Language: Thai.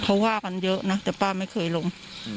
เขาว่ากันเยอะนะแต่ป้าไม่เคยลง